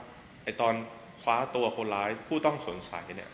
ในตอนคว้าตัวคนร้ายผู้ต้องสนใสเนี่ย